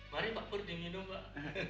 mari pak berdingin pak